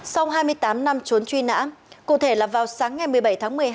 sau hai mươi tám năm trốn truy nã cụ thể là vào sáng ngày một mươi bảy tháng một mươi hai